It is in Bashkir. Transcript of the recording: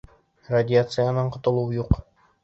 Радиациянан ҡотолоу юҡ.